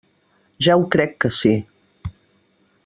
Ja ho crec que sí.